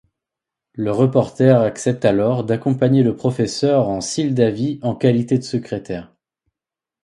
Le reporter accepte alors d'accompagner le professeur en Syldavie en qualité de secrétaire.